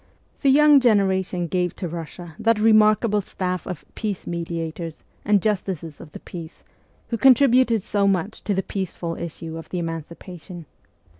The young genera tion gave to Kussia that remarkable staff of ' peace mediators ' and justices of the peace who contributed so> 160 MEMOIRS OF A REVOLUTIONIST much to the peaceful issue of the emancipation.